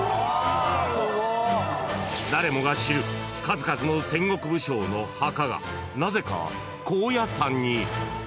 ［誰もが知る数々の戦国武将の墓がなぜか高野山に］